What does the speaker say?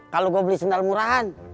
kalau gue beli sendal murahan